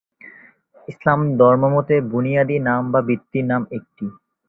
ইসলাম ধর্ম মতে বুনিয়াদি নাম বা ভিত্তি নাম একটিই।